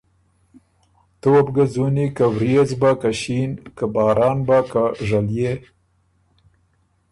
تُو وه بو ګه ځُوني که ورئېځ بۀ که ݭین، که باران بۀ که ژلئے۔